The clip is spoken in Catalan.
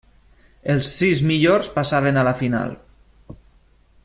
Els sis millors passaven a la final.